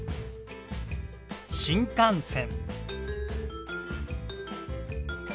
新幹線。